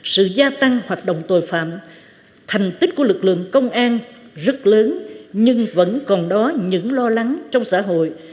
sự gia tăng hoạt động tội phạm thành tích của lực lượng công an rất lớn nhưng vẫn còn đó những lo lắng trong xã hội